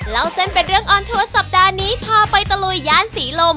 เล่าเส้นเป็นเรื่องออนทัวร์สัปดาห์นี้พาไปตะลุยย่านศรีลม